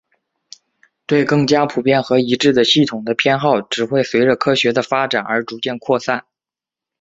对更加普遍和一致的系统的偏好只会随着科学的发展而逐渐扩散。